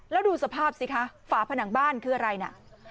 แล้วดูสภาพสิคะฝาผนังบ้านคืออะไรน่ะ